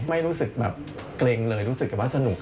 ไม่รู้สึกแบบเกร็งเลยรู้สึกแต่ว่าสนุก